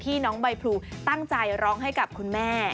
น้องใบพลูตั้งใจร้องให้กับคุณแม่